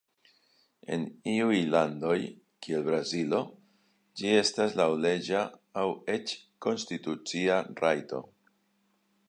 En iuj landoj, kiel Brazilo, ĝi estas laŭleĝa aŭ eĉ konstitucia rajto.